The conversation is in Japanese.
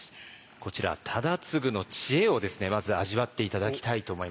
こちら忠次の知恵をですねまず味わって頂きたいと思います。